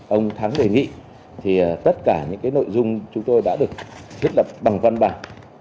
ông thắng đề nghị thì tất cả những nội dung chúng tôi đã được thiết lập bằng văn bản